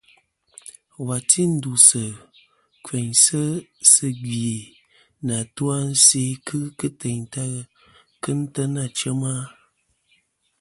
Wà ti ndusɨ tfɨŋsɨ sɨ gvi nɨ atu-a a nse kɨ ghɨ kɨ teyn ta kɨ n-tena chem-a.